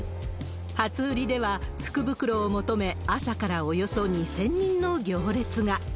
初売りでは、福袋を求め、朝からおよそ２０００人の行列が。